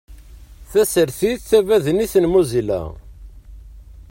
Tasertit tabaḍnit n Mozilla.